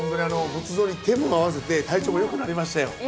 仏像に手も合わせて体調も良くなりましたよ。